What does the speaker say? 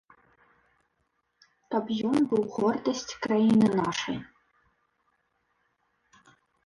Каб ён быў гордасць краіны нашай.